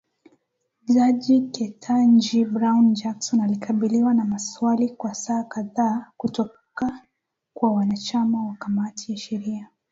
Jaji Ketanji Brown Jackson, alikabiliwa na maswali kwa saa kadhaa kutoka kwa wanachama wa kamati ya sheria